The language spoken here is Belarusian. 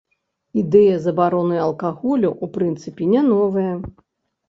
Ідэя забароны алкаголю ў прынцыпе не новая.